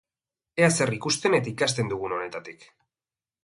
Ea zer ikusten eta ikasten dugun honetatik!